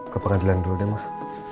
ke pengadilan dulu deh mah